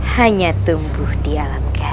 hanya tumbuh di alam gaya